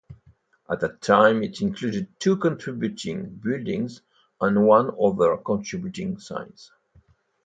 At that time it included two contributing buildings and one other contributing sites.